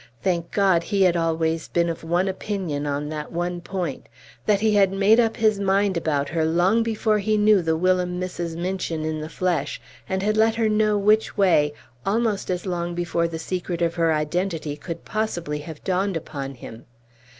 Thank God, he had always been of one opinion on that one point; that he had made up his mind about her long before he knew the whilom Mrs. Minchin in the flesh, and had let her know which way almost as long before the secret of her identity could possibly have dawned upon him.